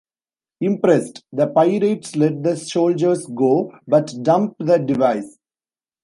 Impressed, the pirates let the soldiers go, but dump the device.